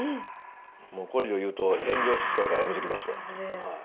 もうこれ以上言うと、炎上しそうだからやめときますわ。